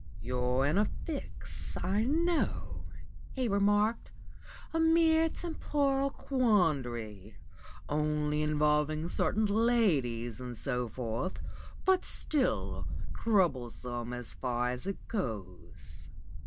"'You're in a fix, I know,' he remarked, 'a mere temporal quandary, only involving certain ladies and so forth, but still troublesome so far as it goes.